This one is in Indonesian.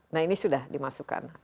nah ini sudah dimasukkan